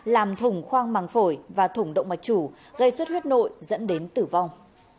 làm thủng khoang màng phổi và thủng động mạch chủ gây suất huyết nội dẫn đến tử vong